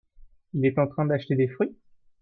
Il est en train d'acheter des fruits ?